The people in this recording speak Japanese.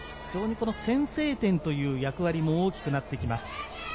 先制点という役割も大きくなってきます。